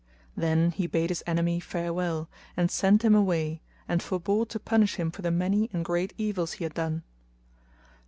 Then he bade his enemy farewell and sent him away and forbore to punish him for the many and great evils he had done.